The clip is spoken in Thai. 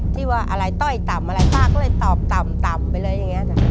ที่ว่าอะไรต้อยต่ำอะไรป้าก็เลยตอบต่ำต่ำไปเลยอย่างนี้จ้ะ